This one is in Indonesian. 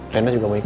rena juga mau ikut